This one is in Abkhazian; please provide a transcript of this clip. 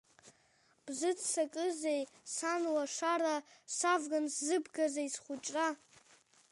Бзырццакызеи, сан лашара, савган сзыбгазеи схәыҷра?